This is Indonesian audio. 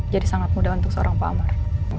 jadi sangat mudah untuk seorang pak amar